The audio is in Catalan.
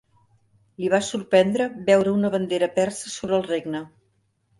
Li va sorprendre veure una bandera persa sobre el regne.